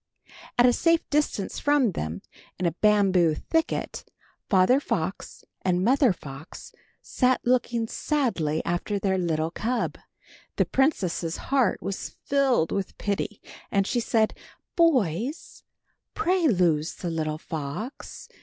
At a safe distance from them, in a bamboo thicket, father fox and mother fox sat looking sadly after their little cub. The princess' heart was filled with pity, and she said: "Boys, pray loose the little fox.